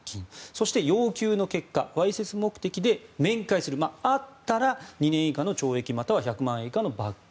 そして、要求の結果わいせつ目的で面会する会ったら２年以下の懲役または１００万円以下の罰金。